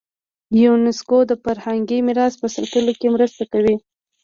یونسکو د فرهنګي میراث په ساتلو کې مرسته کوي.